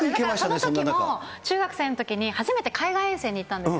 そのときも中学生のときに初めて海外遠征に行ったんですよ。